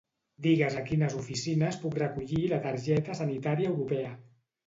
Digues a quines oficines puc recollir la targeta sanitària europea.